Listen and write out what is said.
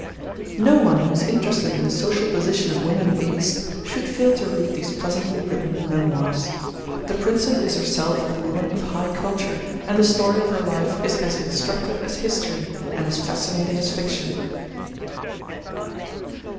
No one who is interested in the social position of women in the East should fail to read these pleasantly written memoirs. The Princess is herself a woman of high culture, and the story of her life is as instructive as history and as fascinating as fiction.